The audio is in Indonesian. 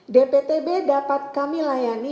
dptb dapat kami layani